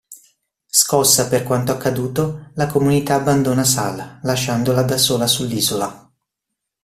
Scossa per quanto accaduto, la comunità abbandona Sal, lasciandola da sola sull'isola.